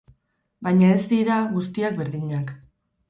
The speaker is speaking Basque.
Baina ez dira guztiak berdinak.